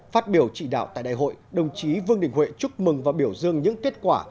phát biểu trị đạo tại đại hội đồng chí vương đình huệ chúc mừng và biểu dương những kết quả